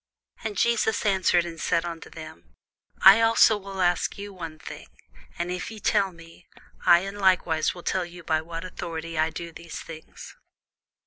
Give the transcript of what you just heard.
And Jesus answered and said unto them, I also will ask you one thing, which if ye tell me, I in like wise will tell you by what authority I do these things.